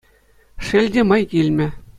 Шел те, май килмӗ.